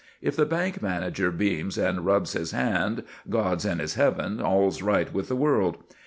If the bank manager beams and rubs his hands, "God's in His heaven: all's right with the world."